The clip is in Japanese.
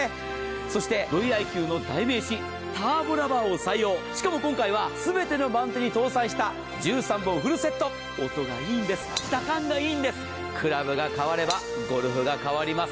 そして、Ｖｉ‐Ｑの代名詞、ターボラバーを採用、しかも今回はすべてのバッグに搭載した、１３本フルセット、音がいいんです、クラブが変わればゴルフが変わります。